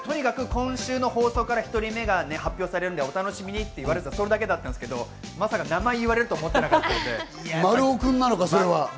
今週の放送から１人目が発表されるのでお楽しみにって言われていた、それだけだったんですけど、まさか名前言われると思ってなかったので。